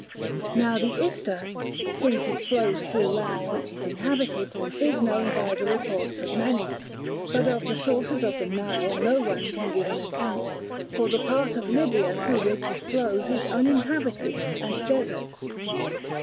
Now the Ister, since it flows through land which is inhabited, is known by the reports of many; but of the sources of the Nile no one can give an account, for the part of Libya through which it flows is uninhabited and desert.